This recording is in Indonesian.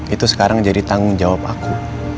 itu sekarang jadi tanggung jawab aku